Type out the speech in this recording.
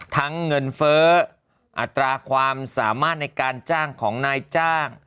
เงินเฟ้ออัตราความสามารถในการจ้างของนายจ้าง